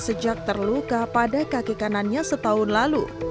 sejak terluka pada kaki kanannya setahun lalu